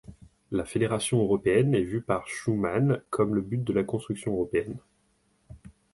La Fédération européenne est vue par Schuman comme le but de la construction européenne.